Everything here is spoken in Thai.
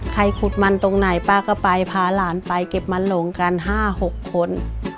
ขุดมันตรงไหนป้าก็ไปพาหลานไปเก็บมันหลงกัน๕๖คน